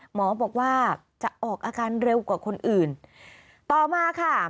หมอบอกว่าจะออกอาการเร็วกว่าคนอื่นต่อมาค่ะ